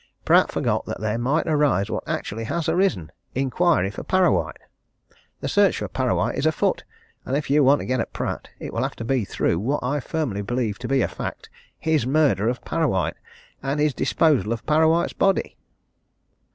Pratt forgot that there might arise what actually has arisen inquiry for Parrawhite. The search for Parrawhite is afoot and if you want to get at Pratt, it will have to be through what I firmly believe to be a fact his murder of Parrawhite and his disposal of Parrawhite's body.